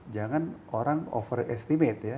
jangan orang overestimate ya